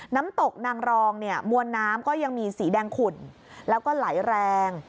น้ำตกนางรองเนี่ยมวลน้ำก็ยังมีสีแดงขุ่นแล้วก็ไหลแรง